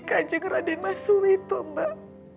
kajeng raden mas wito mbak